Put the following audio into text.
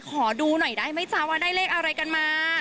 ขอดูหน่อยได้ไหมจ๊ะว่าได้เลขอะไรกันมา